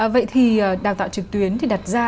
vậy thì đào tạo trực tuyến thì đặt ra